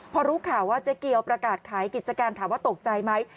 พอรู้ข่าวว่าเจ๊เกียวประกาศขายกิจการถามว่าตกใจไหม